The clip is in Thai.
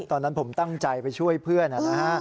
ตอนนั้นผมตั้งใจไปช่วยเพื่อนนะฮะ